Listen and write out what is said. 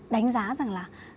đánh giá rằng là